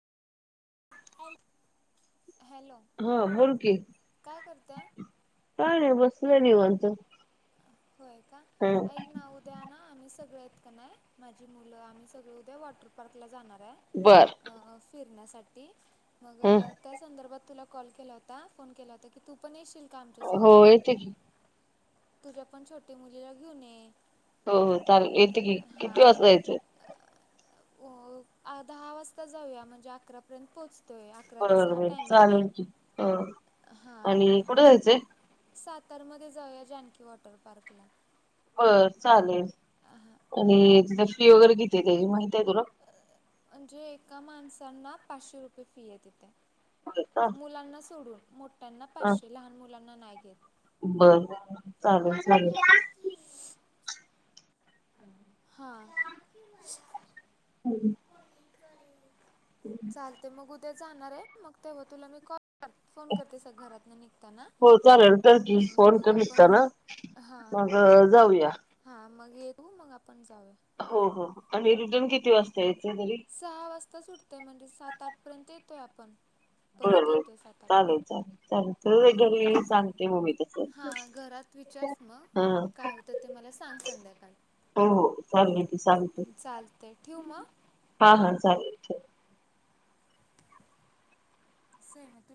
Hello हा बोल की काय करता? काय नाही बसलोय निवांत. होय का. हम्म ऐक ना उद्या ना आम्ही सगळे नाही माझी मुलं आम्ही सगळे. उद्या वॉटर पार्क ला जाणार आहे बर अ, फिरण्यासाठी मग हम्म त्या संदर्भात तुला कॉल केला होता. फोन केला होता की तू पण येशील? का हो आमच्यासोबत येते कि. तुझ्या पण छोटी मुलीला घेऊन ये. हो हो. चालल येते कि. किती वाजता जायचं? अ दहा वाजता जाऊया. म्हणजे अकरा पर्यंत पोहोचतो. बर झाल बाई चालेल. अ आणि कुठे जायचंय? सातार मध्ये जाऊया जानकी वॉटर पार्कला. अ चालेल. हां आणि हां ति फी वगैरे किती आहे त्याची माहती आहे तुला? म्हणजे एका माणसना पाचशे रुपये फी आहे तिथे. हा मुलांना सोडून. त्यांना हा. पाचशे लहान मुलांना नाही घेत. बर मला चालेल घ्या की [unintelligible] हा. हम्. चालते मग उद्या जाणार आहे मग तेव्हा तुला मी कॉल कर. फोन करते सग घरात न निघताना हो चालेल तर की आणि फोन मग कर आपण निघताना. हां मग जाऊया. हां मग येतू मग आपण जावे. हो हो आणि रिटर्न किती वाजता याच तरी सहा वाजता सुटतोय म्हणजे सात आठ पर्यंत येतोय आपण. परत बरबर येतोय सात आठपर्यंत. चालेल चालेल चाल तर घरी सांगते ममी तस. हां घरात मग काय होत ते मला सांग संध्याकाळ हो हो चालू येत चालू ते ठेवू मग हा हा चालेल ल. से म